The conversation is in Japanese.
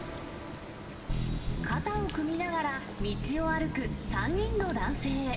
肩を組みながら道を歩く３人の男性。